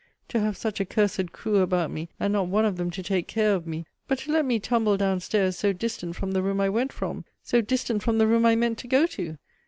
To have such a cursed crew about me, and not one of them to take care of me! But to let me tumble down stairs so distant from the room I went from! so distant from the room I meant to go to!